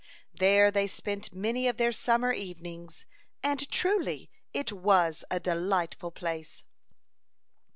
There they spent many of their summer evenings; and truly it was a delightful place.